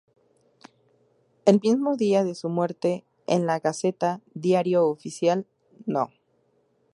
El mismo día de su muerte en La Gaceta, Diario Oficial, No.